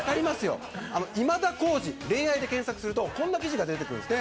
今田耕司、恋愛で検索するとこんな記事が出てきます。